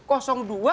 ini murni menginfokan